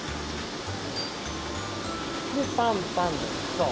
でパンパンってそう。